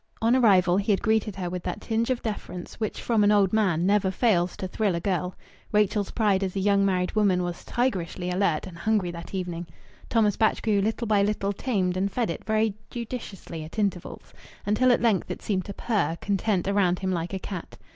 On arrival he had greeted her with that tinge of deference which from an old man never fails to thrill a girl. Rachel's pride as a young married woman was tigerishly alert and hungry that evening. Thomas Batchgrew, little by little, tamed and fed it very judiciously at intervals, until at length it seemed to purr content around him like a cat.